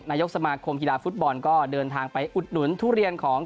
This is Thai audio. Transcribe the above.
นายกสมาคมกีฬาฟุตบอลก็เดินทางไปอุดหนุนทุเรียนของ